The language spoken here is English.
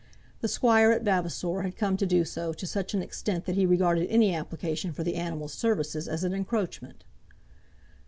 The squire at Vavasor had come to do so to such an extent that he regarded any application for the animal's services as an encroachment.